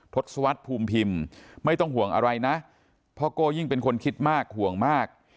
ทศวรรษภูมิพิมพ์ไม่ต้องห่วงอะไรนะพ่อโก้ยิ่งเป็นคนคิดมากห่วงมาก